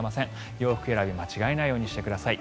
洋服選び間違えないようにしてください。